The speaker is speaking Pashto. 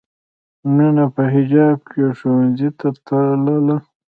مینه په حجاب کې ښوونځي ته تله